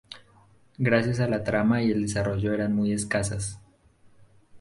Gracias a la trama y el desarrollo eran muy escasas.